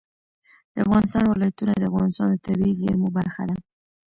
د افغانستان ولايتونه د افغانستان د طبیعي زیرمو برخه ده.